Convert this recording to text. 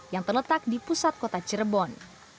yang terletak di pusat kota cirebon